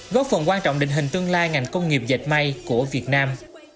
góp phần quan trọng định hình tương lai ngành công nghiệp dệt may của việt nam